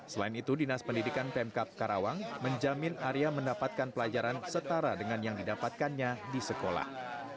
selain itu dinas pendidikan pemkap karawang menjamin arya mendapatkan pelajaran setara dengan yang didapatkannya di sekolah